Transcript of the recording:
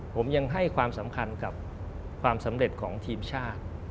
ผมยังให้ความสำคัญกับความสำเร็จของทีมชาติ